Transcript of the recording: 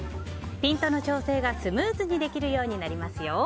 ピントの調整がスムーズにできるようになりますよ。